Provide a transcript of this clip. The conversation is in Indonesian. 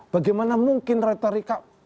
bagaimana mungkin retorika